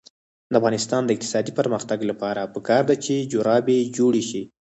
د افغانستان د اقتصادي پرمختګ لپاره پکار ده چې جرابې جوړې شي.